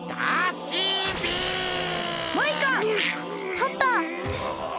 パパ！